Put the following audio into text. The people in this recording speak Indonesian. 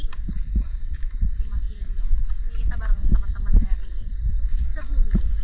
ini masih kita bareng teman teman dari sebumi